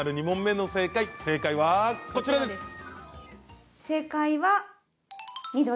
２問目の正解はこちらです。